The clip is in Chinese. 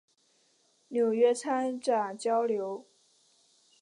纽约参展交流